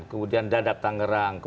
kemudian dadap tangerang